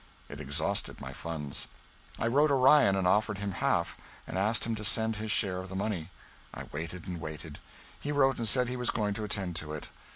It exhausted my funds. I wrote Orion and offered him half, and asked him to send his share of the money. I waited and waited. He wrote and said he was going to attend to it.